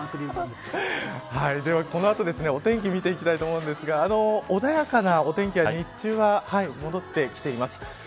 では、この後、お天気見ていきたいと思うんですが穏やかなお天気が日中は戻ってきています。